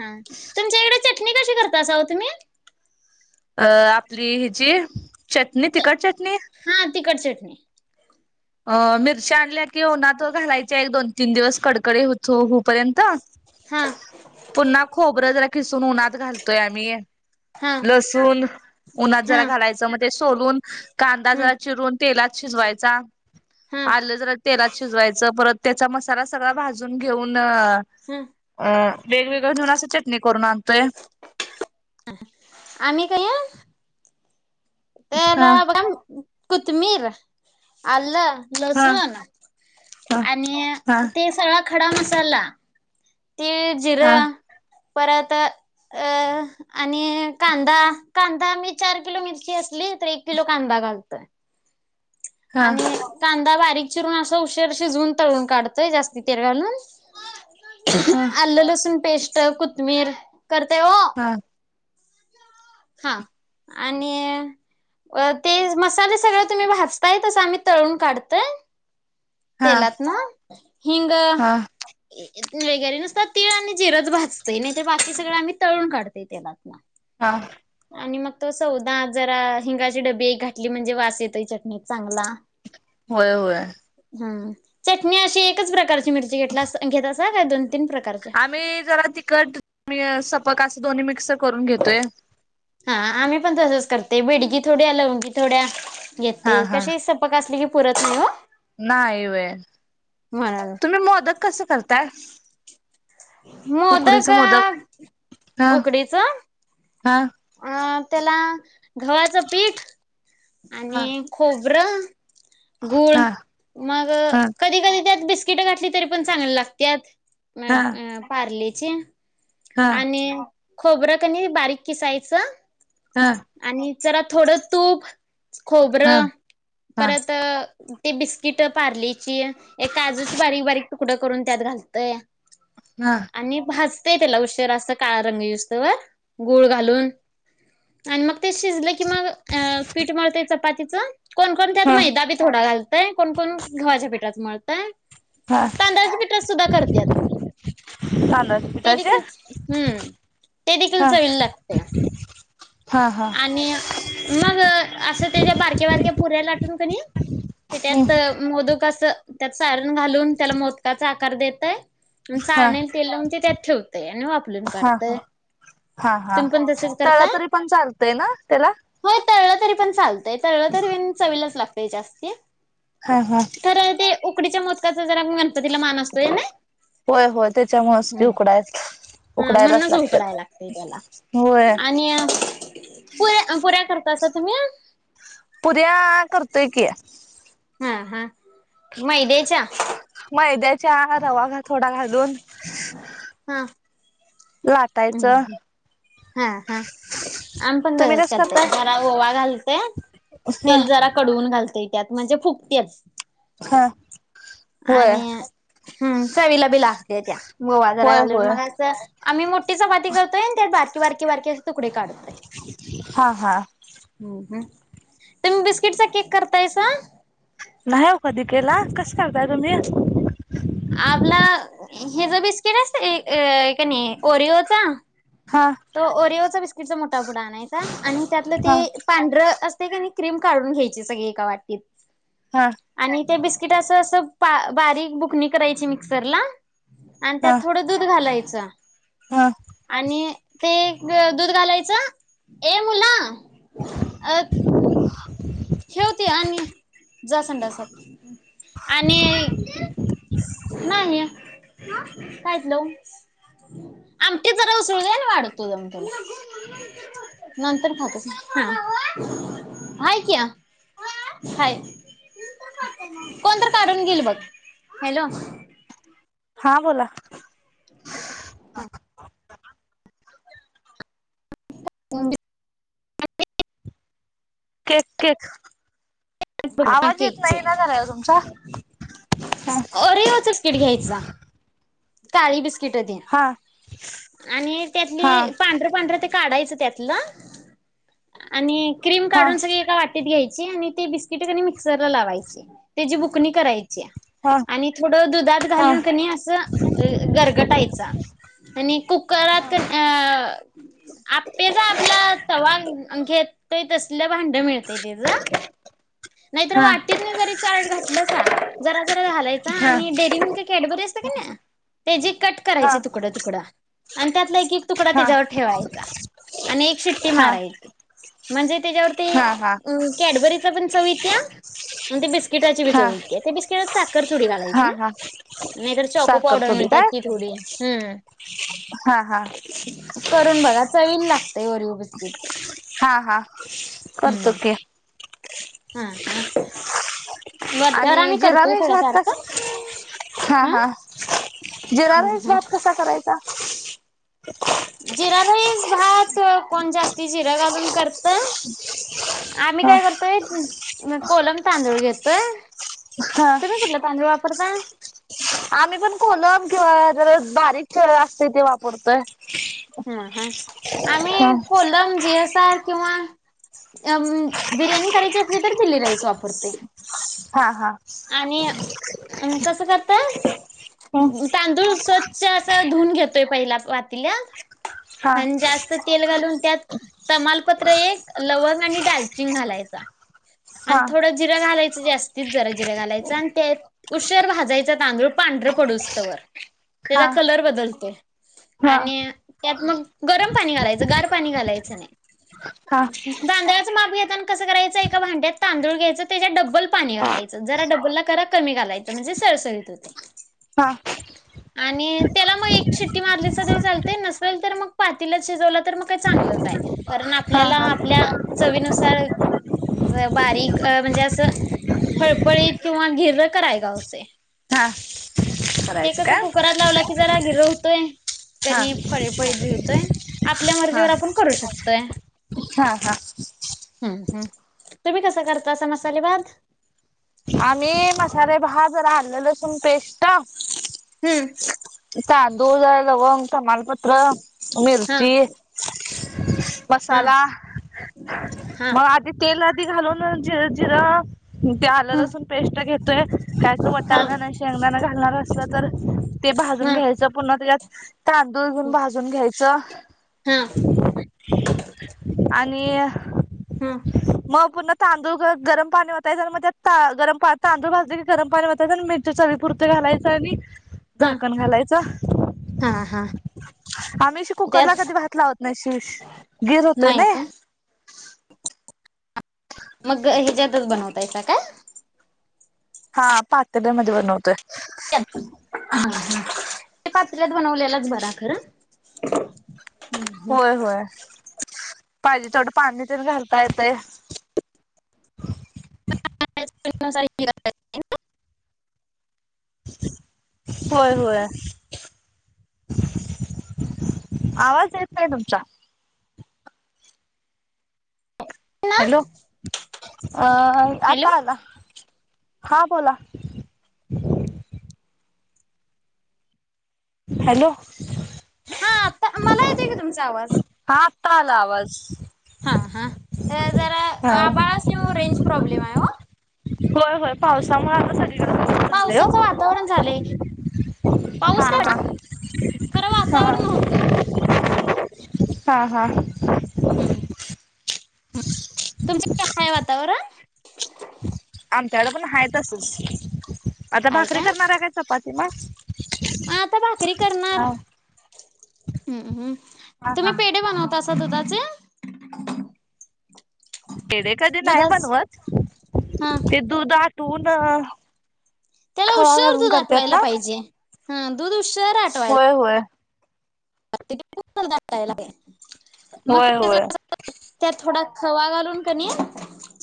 हा तुमच्या इकडे चटणी कशी करत असाह तुम्ही अ आपली हची चटणी तिखट चटणी ह अ मिरच्या आणल्या की न त घालायच्या एक दोन तीन दिवस कडकडे होतो हो र्यंत हा पुन्हा खोबरं जरा खिसून उन्हात घालतोय आम्ही हा लसूून उन्हात हा जरा घालायच म्हण ते सोलून कांदा ह जरा चिरून तेलात शिजवायचा हा आलं जरा तेलात शिजवायचं परत त्याचा मसाला सगळा भाजून घेऊन न ह अ वेगवेगळ घेऊन असं चटणी करून आण आम्ही काय या ह त्याला कतमीिर आ ह लसण ना ह आणि ह ते सग खडा मसाला तीळ ह जिरा परत अ आणि कांदा कांदा मी चार किलो मिरची असली तर एक किलो कांदा घालतोय ह आणि का बारीक चिरून अस उशीर शिजून तळून काढतोय जास्ती तेल घालून ह आल्ल लसुून पेश कथमीर करते हा हा आणि ते मसाले सगळ तुम्ही भज काय तस आम्ही तळून काढत ह ह तेलात ना हिंग हा वगैरे नुसतात तीळ आणि जिरच भाजत नाही ते बाकी सगळं आम्ही तळून काढतेय तेलात ना हा आणि मग तो सौदा जरा हिंगाची डबी एक घाातली म्हणजे वास येतोय चटणीत चांगला होय होय ह चटणी अशी एकच प्रकारची मिरची घेतला संखेत का का तून आम्ही जरा तिकट पग अस दोन्ही मिक्स करून घेतोय. हा आम्ही पण तसच करत ते बिडगी थोड्या लवूनंगी थोड्या येते हा हा. कशी सपक असली की पुरत नाहीवा नाही व म्हणाल तुम्ही मोदक कस करता द मोद का हा उकडीच हा अ त्याला गव्हाचं पीठ हा आणि खोप ब्रो गुळ हा मग हा हा कधी कधी त्या बिस्किट घातलीरीण चांगल्या लातात म हा अ पारले ् हा आणि खोबरं कनी बारीक किसायच स हा जरा थोडं तूप हा खोबरं हा. परत ते बिस्किट पार्लीची एक काजूची बारीक बारीक तुकडं करून त्यात घालतय आणि भाज त्याला उशीरा [unintelligible] असत काळ रंग येउसतोवर गूळ घालून आणि मग ते शिजले की मग, पीठ मळते चपाती जा कोण कोण त्यात हा मैदा बी थोडा घाल नाय कोण कोण गवाच्या पिठात मळतय हा तांदळाच्या पिठात सुद्धा करत्यात, तांदळाच्या ते पिठाचे देखील हम्म ते देखील हा चवील लागतय हा हा आणि मग असं त्याच्या बारक्या बारक्या पुऱ्या लाट तून क [unintelligible] ते हम्म त्यात मोदक असं त्यात सारन घालून त्याला मोदकाचा आकार कर देताय हा चाळणीला तेल ते त्यात ठेवतय आणि वाफुन हा हा. काढतय. हा हा तुम्ही पण तसेच त्याला करता? तरी पण चालतय ना त्याला तळल तरी पण चालतय तळल तरी पण चवीलाच लागत. पे जास्तीय [unintelligible] हा हा च्या मोदकाचा जरा गणपतीला मान असतोय ना? होय होय त्याच्यामुळेच ते उकडायच, हा उकडायलाच म्हणूनच उकडायला लागतंय त्याला. लागत्यात होय आणि पुऱ्या पुऱ्या करता असा तुम्ही? पुऱ्या करतोय कि हा हा मैद्याच्या मैद्याच्या रवा थोडा घालून हा लाटायचं हा हा आम्ही पण तुम्ही तसच कस करताय करतय, जरा ओवा घालतय, ह तेल जरा कडवून घालतय. त्यात म्हणजे फुकतेच हा आणि हम चवीला बी लागते त्या, ओवा जरा होय घालून होय मग असं आम्ही मोठी चपाती करतोय त्या बारकी बारकी बारकी तुकडे काढ हा हा तर मी बिस्किटचा केक करतायसा नाही कादीीप केला कसं करताय तुम्ही आपला हे ज बिस्किट असत क नाही ओरिओचा हा तर ओरिओचा विस् कस ापडा आणायचा आणि त्यातलं हा ते पांढरं असते का क्रीम काढून घ्यायची सगळी एका वाटत हा आणि ते बिस कि अस अस बारीक बुक करायची मिक्सर ला आणि त्यात हा थोडं दूध घालायचं अच्छा हा आणि ते दूध घालायचं ए मुला अ ठेवते आणि जासानडासात आणि नाही ह कायेतलं आमट जरा उसळ वाढतो नंतर खात आहेाय कि हाय कोणत काढून घेल बघ हॅलो हा बोला अ केक केक हा आवाज येत केकचे नाही ना झालाय तुमचा हा अरेवचचकिट घ्यायचा काळी ब िट हा आणि हा त्यातली पांढर पांढर काढायचं त्यातलं आणि क्रीम हा हा काढून सगळी एका वाटत घईची आणि ते त ठिकाणी मिक्सर ला लावायची त्याचीी बुकणी करायची हा आणि थोडं दुधात हा घालून कनी असं गरगटायच आणि कुकरात क अ आपेचा आपला तवा घेत असल्या भांड मिळत ते जा नाहीतर हा हा वाटीतन जरी चारट घातलंसा जरा जरा घालायचा हा आणि डेअरी मिल्क कॅडबरी असत कणी त्याची कट करायची हा तुकडं तुकडं आणि त्यातला एक तुकडा हा त्याच्यावर ठेवायचा आणि एक शिट्टी हा मारायची म्हणजे त्याज्यावर ते म कॅडबरीच चव येत्या आणी ते बिस बिस्किटाची भी हा चवित आहे त्या बिस्किटात साखर थोडी घायची हा ह हा नाहीतर चॉको साखर पावडर थोडी मिळते काय ती थोडी हम्म हा हा करून बघा चवील लागतय वरीओ बिस्किटच हा हा करतो हम्म की हा हा वरच्यावर आणि आम्ही जिरा करतोय राईस सोडा भात कस सारखं हा हं हा जिरा हं राईस हं भात कसा करायचा [inaudible] [inaudible] ईस भात कोण जास्ती जिरं घालून करत आम्ही हा काय करतोय [unintelligible] कोलम तांदूळ घेतोय हा तुम्ही कुठलं तांदूळ वापरता आम्ही पण कोलम किंवा जरा बारीक [unintelligible] असतय ते वापरतोय हम हम हा आम्ही कोलम जी अस किंवा अम बिर्याणी करायची असली तर बिली राईस वापरतोय हा हा [inaudible] कसं करताय तांदूळ स्त अस अस धुऊून घेतोय पहिला वातीला हा हा आणि जास्त तेल घालून त्यात तमालपत्र एक लवंग आणि डालचिंग घालायचा आणि हा थोडं जिरं घालायचं जास्त तीच जरा जिर घालायच आणि त्य उशर भाजायच तांदूळ पांढरं पडूसतं वर हा त्याचा कलर बदलतो हा आणि मग गरम पाणी घालायचं गार पाणी घालाय जायचं हा नाही दांगराच मापि कस कयचं एका भांड्यात तांदूळ घ्यायचं त्याच्यात डबल पाणी घालायचं जरा डबल करा कमी घालायचं म्हणजे सरसरीत होत हा आणि त्याला मग एक शिट्टी मारली स तरी चालते नसत ल तर मग पातीला शिजवला तर मग काही चांगलंच आहे कारण हा आपल्याला हा आपल्या चवीनुसार बारीक म्हणजे असं फळफळीत किंवा गिर्र कराय ग होते ह ते कस कुकरात लावलं की जरा गिर होतोय हा त्यांनी फळे फळी बि होतोय आपल्या हा मर्जीवर आपण करू शकतोय हा हा हम्म हम् तुम्ही कसां करता असा मसाले भाद आम्ही मशाले भात राह आले लसुण पेस्ट हम्म दोलावंग समालपत्र हा मिरची हा मसाला हा मग आधी तेलच घालून ज जिरा ते ह आल्या पेस्ट घेतोय काय तो हा वटाान नाही शेंगदाणा घालणार असलं तर ते भाजून हा घ्यायचं पुन्हा त्यात तांदूळ घेऊन भाजून घ्यायचं हा आणि आणि हा म पुर्ण तांदूळ गरम पाणी होता म गरम तांदूळ भाजले की गरम पाणी म्हायच मिरच्या चवीपुरती घालायचं आणि हा झाकण घालायच हा हा आम्हीशी कुकर ला त्याच कधी भात लावत नाही शि गीर होतोय नाही ना का मग हे ज्यातच बनवतायचा का हा पातब मध्ये बनवतोय ह ह ते पातऱ्यात बनवलेलंच बरा खरं होय होय पाहिजे तेथवडं पाणी प घालता येत होय होय आवाज येत नाहीय तुमचा हॅलो ह अ हॅलो आता आला हा बोला. हॅलो! हा आता मला येतय का तुमचा आवाज. आता आला आवाज. हा हा जरा हा. आभाळा असल्यामुळ रेंज प्रॉब्लेम आहे हो, होय होय पावसामुळे सगळीकडे तसंच झालंय पावसाचं ओ वातावरण झालंय पाऊस हा का हा खरं वातावरण हा होतय, हा हा. हम्म. तुमच्यात हाय वातावरण? आमच्याकड पण हाय तसच आता आहे भाकरी का? करणार आहे काय चपाती मगं? आता भाकरी करणार, हा तुम्ही हा पेढे बनवतं असत होतात जा. पेढे कधी नाही बनवत हा ते, दूध तू ना. त्याला उशीर दूध आठवायला पाहिजे हा दूध उशीर आठवायला. होय होय [unintelligible] मग होय होय. त्यात थोडा खवा घालून कनी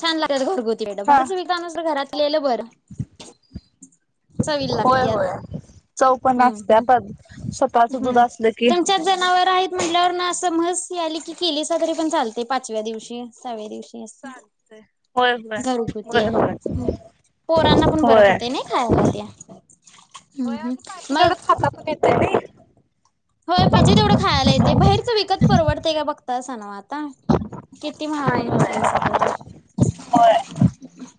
छान लागतात घरगुरी हा बाहेर विकत घरात केलं बरं. चवीला होय लागत्यात होय चव पण हम्म असत्या आता हम्म स्वतःच हम्म दुध तुमच्यात जनावर आहेत म्हल्यावर म्हस आले की केलिसा तरी चालतंय पाचव्या दिवशी सहाव्या दिवशीं. चालतंय. होय होय घरघुती होय होय पोरांना पण बरं होय. पडतय नाही खायला त्या हम्म होय हम्म आणि पाहिजे तेवढं मगं. खाता पण येतंय नाही. हा किती महागून नाही होऊन होय बसलेय सगळं. होय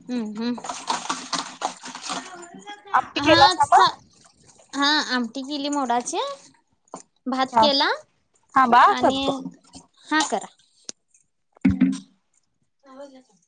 हम्म हम्म. आमटी हा केलासा मग? हा आमचं [inaudible] भात हा केला थांबा हा आणि करतो. हा करा. हम्म. हव का